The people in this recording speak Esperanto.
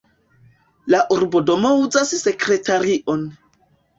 La urbodomo uzas sekretarion.